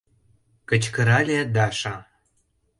— кычкырале Даша.